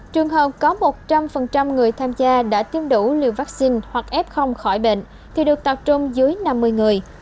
trường hợp có một trăm linh người tham gia đã tiêm đủ liều vaccine hoặc f khỏi bệnh thì được tập trung dưới năm mươi người